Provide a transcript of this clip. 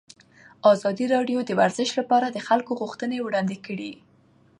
ازادي راډیو د ورزش لپاره د خلکو غوښتنې وړاندې کړي.